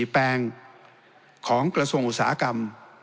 แปลงของกระทรวงอุตสาหกรรม